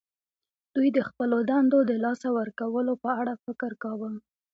دوی د خپلو دندو د لاسه ورکولو په اړه فکر کاوه